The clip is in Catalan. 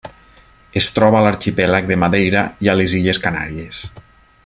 Es troba a l'Arxipèlag de Madeira i a les Illes Canàries.